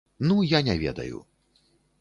Ну я не ведаю.